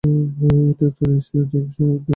এটি উত্তরে স্প্রিং লেকের শহর দিয়ে সীমাবদ্ধ।